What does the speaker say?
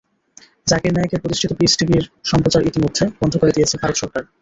জাকির নায়েকের প্রতিষ্ঠিত পিস টিভির সম্প্রচার ইতিমধ্যে বন্ধ করে দিয়েছে ভারত সরকার।